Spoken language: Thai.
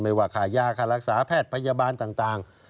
ว่าค่ายาค่ารักษาแพทย์พยาบาลต่าง